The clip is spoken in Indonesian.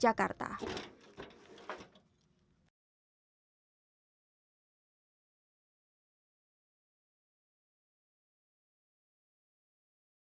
desi aritonang jakarta